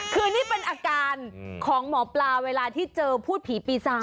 คือนี่เป็นอาการของหมอปลาเวลาที่เจอพูดผีปีศาจ